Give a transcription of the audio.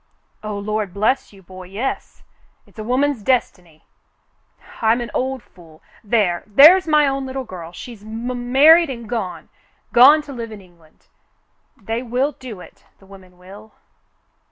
"Oh, Lord bless you, boy, yes. It's a woman's destiny. I'm an old fool. There — there's my own little girl, she's m — married and gone — gone to live in England. They will do it — the women will.